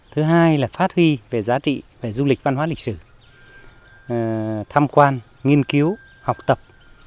thứ hai là phát huy về giá trị về du lịch văn hóa lịch sử tham quan nghiên cứu học tập